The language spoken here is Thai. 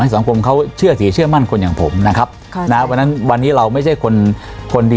ให้สังคมเขาเชื่อถี่เชื่อมั่นคนอย่างผมนะครับนะฮะเพราะฉะนั้นวันนี้เราไม่ใช่คน